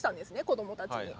子どもたちに。